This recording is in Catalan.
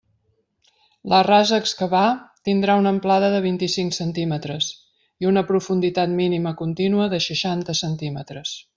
La rasa a excavar tindrà una amplada de vint-i-cinc centímetres i una profunditat mínima contínua de seixanta centímetres.